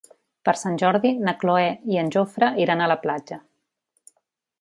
Per Sant Jordi na Cloè i en Jofre iran a la platja.